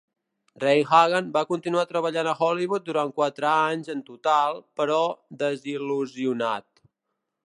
Rein-Hagen va continuar treballant a Hollywood durant quatre anys en total, però desil·lusionat.